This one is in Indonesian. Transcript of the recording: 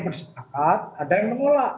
bersyakat ada yang mengolah